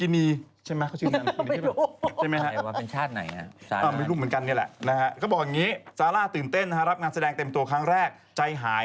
ไม่แก่เอาเปล่าเอาเปล่าดูเขียนบทให้เออตกอะไรก็ไม่ตาย